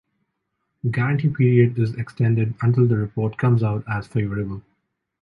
The guarantee period is extended until the report comes out as favorable.